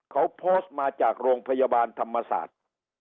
เขาโพสต์มาจากโรงพยาบาลธรรมศาสตร์